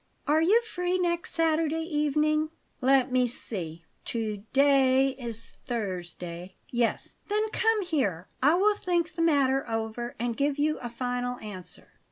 "Are you free next Saturday evening?" "Let me see to day is Thursday; yes." "Then come here. I will think the matter over and give you a final answer."